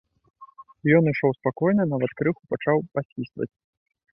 Ён ішоў спакойна, нават крыху пачаў пасвістваць.